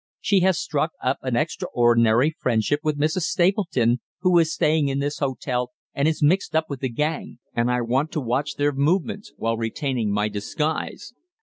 She has struck up an extraordinary friendship with Mrs. Stapleton, who is staying in this hotel and is mixed up with the gang, and I want to watch their movements while retaining my disguise."